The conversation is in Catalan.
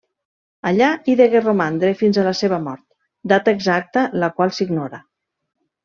Allà hi degué romandre fins a la seva mort, data exacta la qual s'ignora.